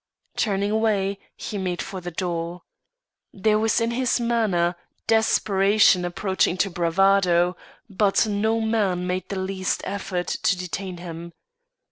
Turning away, he made for the door. There was in his manner, desperation approaching to bravado, but no man made the least effort to detain him.